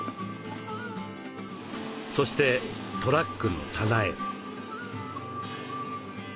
そしてトラックの棚へ。